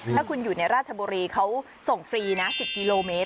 ถ้าคุณอยู่ในราชบุรีเขาส่งฟรีนะ๑๐กิโลเมตร